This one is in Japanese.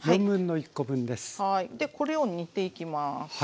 でこれを煮ていきます。